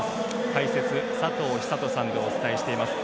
解説、佐藤寿人さんでお伝えしています。